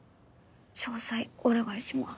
詳細お願いします。